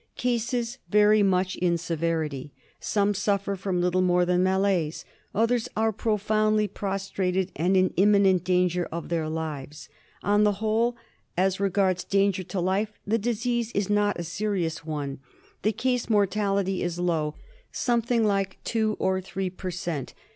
Cases vary much in severity. Some suffer from little more than malaise; others are profoundly pros trated and in imminent danger of their lives. On the whole, as regards danger to life, the disease is not a serious one. The case mortality is low, something like two or three per cent.